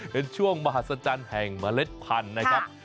เป็นช่วงมหัศจรรย์แห่งเมล็ดพันธุ์นะครับ